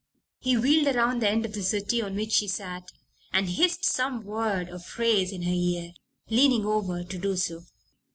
He wheeled around the end of the settee on which she sat and hissed some word or phrase in her ear, leaning over to do so.